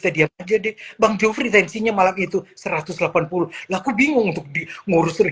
ke diam aja deh bang jufri tensinya malam itu satu ratus delapan puluh laku bingung untuk di ngurusin